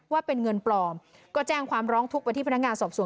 ว่าเป็นเงินปลอมก็แจ้งความร้องทุกข์ไปที่พนักงานสอบสวน